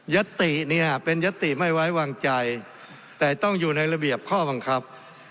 ติเนี่ยเป็นยัตติไม่ไว้วางใจแต่ต้องอยู่ในระเบียบข้อบังคับ